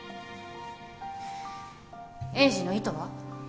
栄治の意図は？